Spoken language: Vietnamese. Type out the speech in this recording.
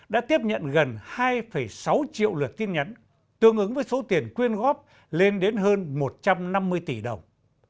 đã tiếp nhận gần hai sáu triệu lượt tin nhắn tương ứng với số tiền quyên góp lên đến hơn một trăm năm mươi tỷ đồng